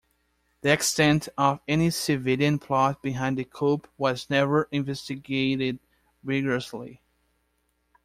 The extent of any civilian plot behind the coup was never investigated rigorously.